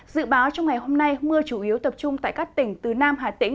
dự báo trong ngày hôm nay mưa chủ yếu tập trung tại các tỉnh từ nam hà tĩnh